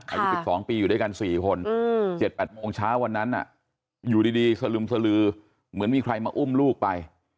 อายุ๑๒ปีอยู่ด้วยกัน๔คน๗๘โมงเช้าวันนั้นอยู่ดีสลึมสลือเหมือนมีใครมาอุ้มลูกไป